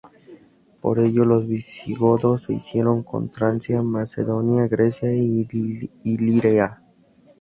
Por ello, los visigodos se hicieron con Tracia, Macedonia, Grecia e Iliria.